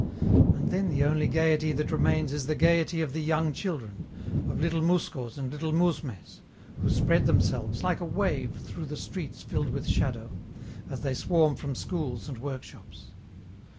And then the only gayety that remains is the gayety of the young children, of little mouskos and little mousmes, who spread themselves like a wave through the streets filled with shadow, as they swarm from schools and workshops.